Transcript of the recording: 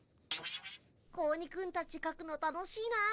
子鬼くんたちかくの楽しいなあ。